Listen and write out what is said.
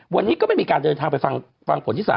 วันนี้ก็ไม่มีการเดินทางไปฟังผลที่๓